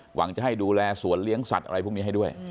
หวังจะให้ดูแลสวนเลี้ยงสัตว์อะไรพวกนี้ให้ด้วย